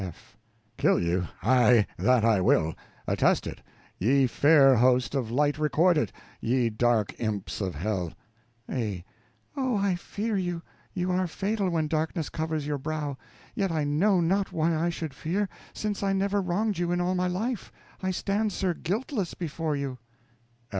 F. Kill you, aye, that I will; attest it, ye fair host of light, record it, ye dark imps of hell! A. Oh, I fear you you are fatal when darkness covers your brow; yet I know not why I should fear, since I never wronged you in all my life. I stand, sir, guiltless before you.